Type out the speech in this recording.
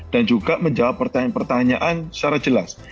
dan juga menjawab pertanyaan secara jelas